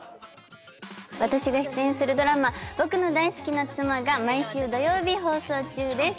私が出演するドラマ『僕の大好きな妻！』が毎週土曜日放送中です。